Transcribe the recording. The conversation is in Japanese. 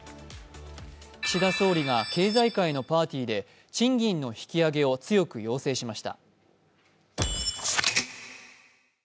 岸田総理が経済界のパーティーで賃金の引き上げを強く要請しました。